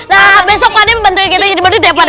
nah besok pak d membantu kita jadi bantuin ya pak d